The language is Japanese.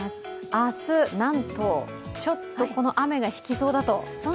明日、なんとちょっとこの雨が引きそうだと。